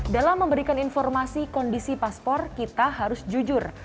dalam memberikan informasi kondisi paspor kita harus jujur